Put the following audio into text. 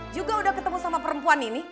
juga udah ketemu sama perempuan ini